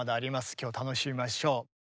今日は楽しみましょう。